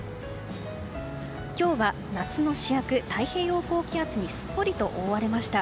今日は夏の主役、太平洋高気圧にすっぽりと覆われました。